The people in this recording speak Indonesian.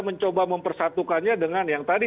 mencoba mempersatukannya dengan yang tadi